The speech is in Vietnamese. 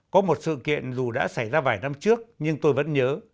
có một sự kiện dù đã xảy ra vài năm trước nhưng tôi vẫn nhớ